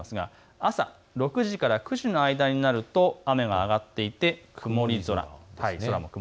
朝６時から９時の間になると雨が上がっていて曇り空。